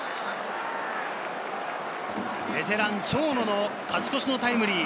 ベテラン・長野の勝ち越しタイムリー。